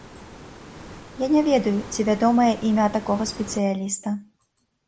Я не ведаю, ці вядомае імя такога спецыяліста.